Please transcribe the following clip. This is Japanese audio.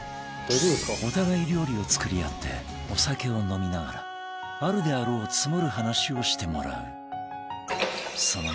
お互い料理を作り合ってお酒を飲みながらあるであろう積もる話をしてもらう